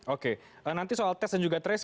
oke nanti soal test dan juga trace